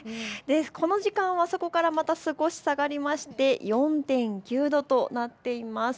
この時間はそこからまた少し下がりまして４．９度となっています。